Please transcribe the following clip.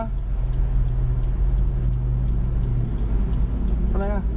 อะไรอ่ะ